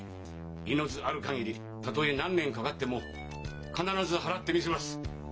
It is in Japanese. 命ある限りたとえ何年かかっても必ず払ってみせます！